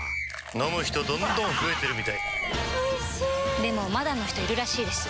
飲む人どんどん増えてるみたいおいしでもまだの人いるらしいですよ